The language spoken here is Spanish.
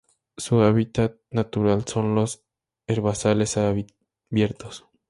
Su hábitat natural son los herbazales abiertos.